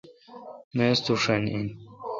میز تو ݭن این۔